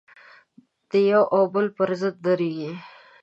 د یوه او بل پر ضد درېږي.